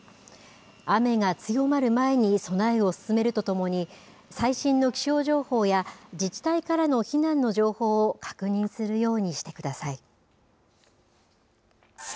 雨が強まる前に備えを進めるとともに、最新の気象情報や自治体からの避難の情報を確認するようにしてください。